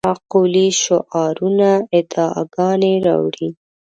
مقولې شعارونه ادعاګانې راوړې.